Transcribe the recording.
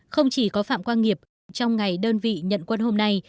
không chỉ có phạm quang nghiệp trong ngày đơn vị nhận quân hôm nay